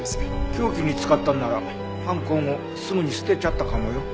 凶器に使ったんなら犯行後すぐに捨てちゃったかもよ。